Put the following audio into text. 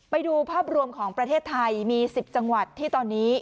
ไปดูภาพรวมของประเทศไทยมี๑๐จังหวัดที่ตอนนี้